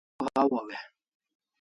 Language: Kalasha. Zo't chalu hawaw e?